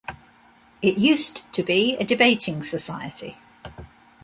It used to be a debating society.